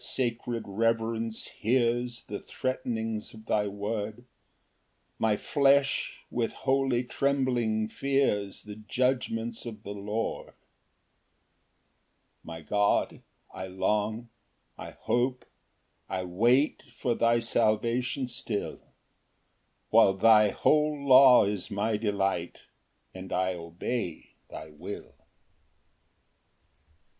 5 My heart with sacred reverence hears The threatenings of thy word: My flesh with holy trembling fears The judgments of the Lord. Ver. 166 174. 6 My God, I long, I hope, I wait For thy salvation still; While thy whole law is my delight, And I obey thy will.